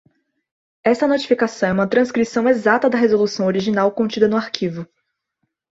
Esta notificação é uma transcrição exata da resolução original contida no arquivo.